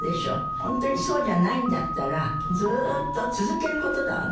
本当にそうじゃないんだったら、ずっと続けることだわね。